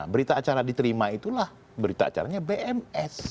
berita acara diterima itulah berita acaranya bms